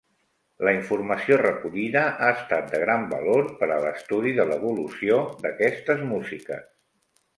La informació recollida ha estat de gran valor per a l'estudi de l'evolució d'aquestes músiques.